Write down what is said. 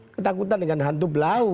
ketakutan dengan hantu belau